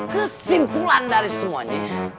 kesimpulan dari semuanya